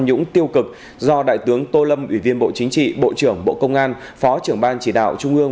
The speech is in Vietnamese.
nhũng tiêu cực do đại tướng tô lâm ủy viên bộ chính trị bộ trưởng bộ công an phó trưởng ban chỉ đạo trung ương